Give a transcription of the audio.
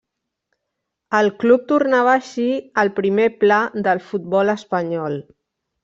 El club tornava així al primer pla del futbol espanyol.